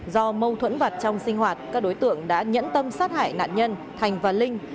do mâu thuẫn vặt trong sinh hoạt các đối tượng đã nhẫn tâm sát hại nạn nhân thành và linh